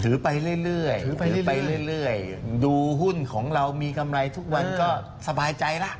ถือไปเรื่อยดูหุ้นของเรามีกำไรทุกวันก็สบายใจละ